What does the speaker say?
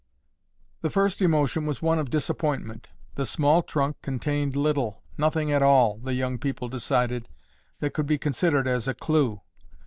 The first emotion was one of disappointment. The small trunk contained little, nothing at all, the young people decided, that could be considered as a clue.